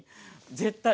絶対！